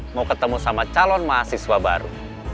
mau ketemu sama calon mahasiswa baru